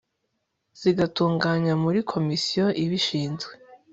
zigatunganywa muri komisiyo ibishinzwe